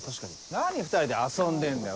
何２人で遊んでんだよ。